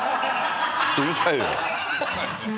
うるさいよ。